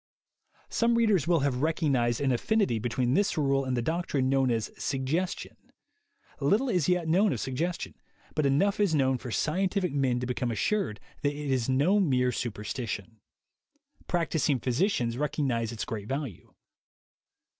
Some readers will have recognized an affinity between this rule and the doctrine known as "sug gestion." Little is yet known of suggestion, but enough is known for scientific men to become 58 THE WAY TO WILL POWER assured that it is no mere superstition; practising physicians recognize its great value.